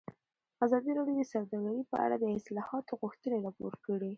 ازادي راډیو د سوداګري په اړه د اصلاحاتو غوښتنې راپور کړې.